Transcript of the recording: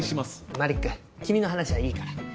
マリック君の話はいいから。